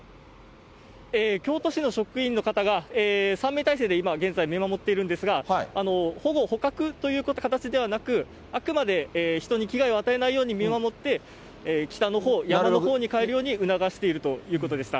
京都市の職員の方が３名態勢で今現在、見守っているんですが、保護、捕獲という形ではなく、あくまで、人に危害を与えないように見守って、北のほう、山のほうに帰るように促しているということでした。